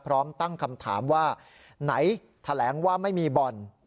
พร้อมตั้งคำถามว่าไหนแถลงว่าไม่มีบ่อน